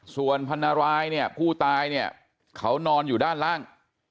ส่วนพันรายเนี่ยผู้ตายเนี่ยเขานอนอยู่ด้านล่าง